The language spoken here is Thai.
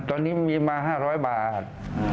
ตอนนี้มีมา๕๐๐บาท